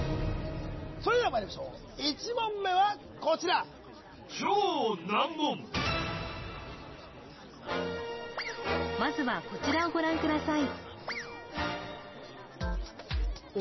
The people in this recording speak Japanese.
それではまいりましょう１問目はこちらまずはこちらをご覧ください